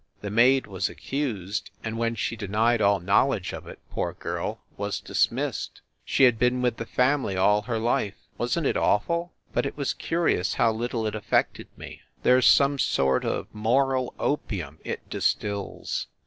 The maid was accused, and, when she denied all knowledge of it, poor girl, was dis missed. She had been with the family all her life. Wasn t it awful? But it was curious how little it affected me. There s some sort of moral opium it distills.